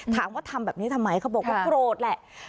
ทำแบบนี้ทำไมเขาบอกว่าโกรธแหละ